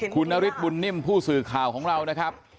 คุณนฤทธบุญนิ่มผู้สื่อข่าวของเรานะครับ